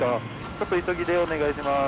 ちょっと急ぎでお願いします。